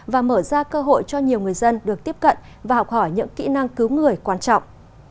và mở ra cơ hội cho nhiều người dân được tiếp cận và học hỏi những kỹ năng cứu người quan trọng